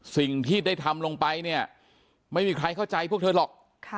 สิ่งที่ได้ทำลงไปเนี่ยไม่มีใครเข้าใจพวกเธอหรอก